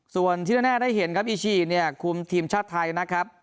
ส่วนที่แน่ได้เห็นครับอีชีเนี่ยคุมทีมชาติไทยนะครับ